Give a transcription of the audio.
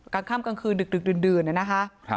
กลางค่ำกลางคืนดึกดื่นนะคะ